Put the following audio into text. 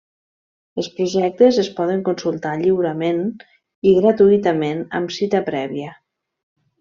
Els projectes es poden consultar lliurament i gratuïtament amb cita prèvia.